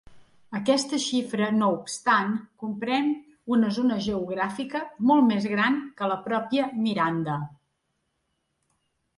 Aquesta xifra, no obstant, comprèn una zona geogràfica molt més gran que la pròpia Miranda.